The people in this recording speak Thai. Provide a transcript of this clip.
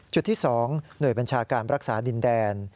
จุดที่๒หน่วยบัญชาการรักษาดินแดน